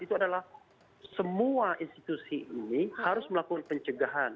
itu adalah semua institusi ini harus melakukan pencegahan